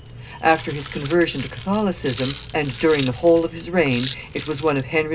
After his conversion to Catholicism, and during the whole of his reign, it was one of Henry IV.